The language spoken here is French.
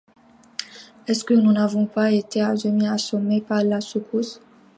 Est-ce que nous n’avons pas été à demi assommés par la secousse?